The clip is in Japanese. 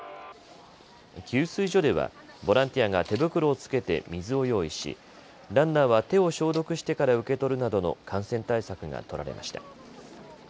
給水所ではボランティアが手袋を着けて水を用意しランナーは手を消毒してから受け取るなどの感染対策が取られました。